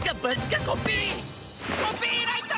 コピーライト！